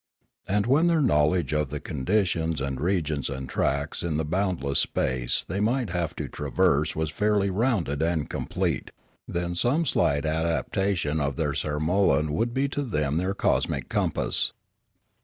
And, when their knowledge of the conditions and regions and tracks in the boundless space they might have to traverse was fairly rounded and complete, then some Discoveries 323 slight adaptation of their sarmolan would be to them their cosmic compass.